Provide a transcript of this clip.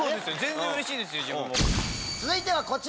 続いてはこちら！